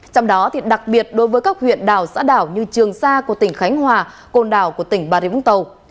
trong đó đặc biệt đối với các huyện đảo xã đảo như trường sa của tỉnh khánh hòa côn đảo của tỉnh bà rịa vũng tàu